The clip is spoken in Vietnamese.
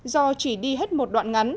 do chỉ đi hết một đoạn ngắn